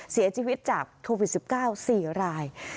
เสียชีวิตจากโทษวิทย์สิบเก้าสี่ราย